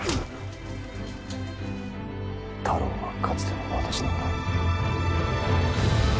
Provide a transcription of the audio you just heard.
太郎はかつての私なんだ。